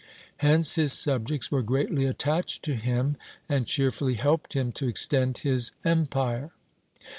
Hence his subjects were greatly attached to him, and cheerfully helped him to extend his empire.